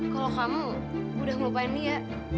kalau kamu udah ngelupain dia